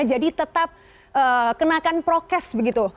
jadi tetap kenakan prokes begitu